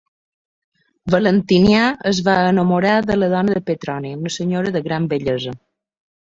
Valentinià es va enamorar de la dona de Petroni, una senyora de gran bellesa.